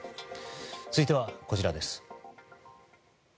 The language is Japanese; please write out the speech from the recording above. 続いてはこちらです。